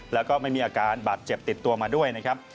แล้วก็ไม่มีอาการบาดเจ็บติดตัวมาด้วยนะครับ